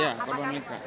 ya korban luka